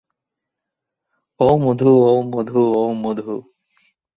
ওঁ মধু, ওঁ মধু, ওঁ মধু।